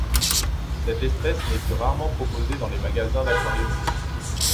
Cette espèce n'est que rarement proposée dans les magasins d'aquariophilie.